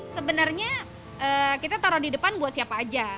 sebenarnya kita taruh di depan buat siapa aja